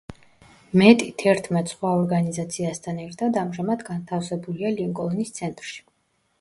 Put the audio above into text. მეტი თერთმეტ სხვა ორგანიზაციასთან ერთად ამჟამად განთავსებულია ლინკოლნის ცენტრში.